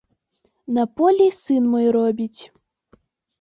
На полі сын мой робіць.